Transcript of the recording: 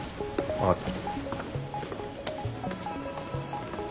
分かった。